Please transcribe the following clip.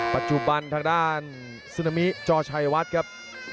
ปัจจุบันทางด้านซึนามิจอชัยวัดครับ